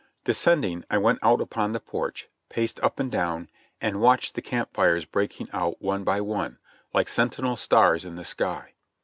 Descending, I went out upon the porch, paced up and down, and watched the camp fires breaking out one by one, like sentinel stars in the sky.